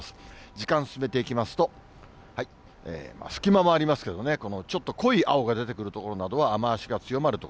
時間進めていきますと、隙間もありますけどね、ちょっと濃い青が出てくる所などは雨足が強まる所。